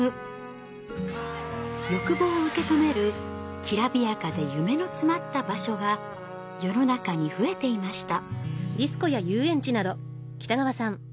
欲望を受け止めるきらびやかで夢の詰まった場所が世の中に増えていました。